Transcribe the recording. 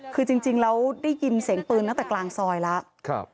คือจริงแล้วได้ยินเสียงปืนตั้งแต่กลางซอยแล้ว